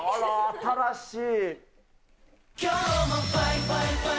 新しい。